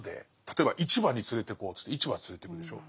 例えば市場に連れてこうっつって市場に連れてくでしょう。